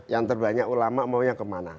yang terbanyak ulama maunya kemana